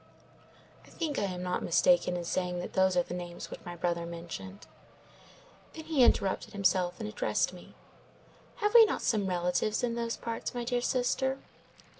"I think I am not mistaken in saying that those are the names which my brother mentioned. Then he interrupted himself and addressed me:— "'Have we not some relatives in those parts, my dear sister?